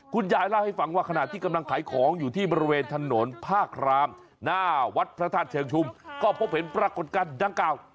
คุณยายเล่าให้ฟังว่าขณะที่กำลังขายของอยู่ที่บริเวณถนนภาครามหน้าวัดพระธาตุเชิงชุมก็พบเห็นปรากฏการณ์ดังกล่าว